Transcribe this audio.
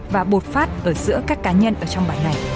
và bột phát ở giữa các cá nhân ở trong bản này